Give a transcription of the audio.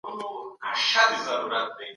دا ستونزه د حافظې له لاسه ورکولو لامل شوه.